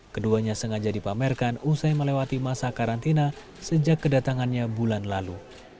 keduanya sengaja dipamerkan usai melewati masa karantina sejak kedatangannya bulan lalu